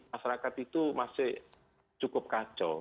masyarakat itu masih cukup kacau